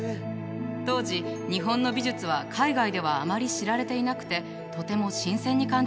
当時日本の美術は海外ではあまり知られていなくてとても新鮮に感じたんでしょうね。